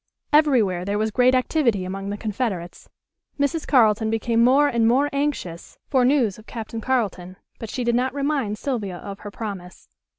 Everywhere there was great activity among the Confederates. Mrs. Carleton became more and more anxious for news of Captain Carleton, but she did not remind Sylvia of her promise.